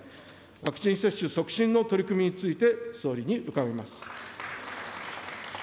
ワクチン接種促進の取り組みについて、総理に伺います。